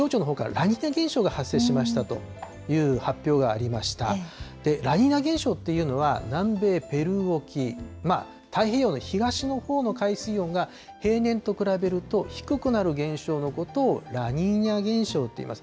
ラニーニャ現象っていうのは、南米ペルー沖、太平洋の東のほうの海水温が平年と比べると低くなる現象のことをラニーニャ現象といいます。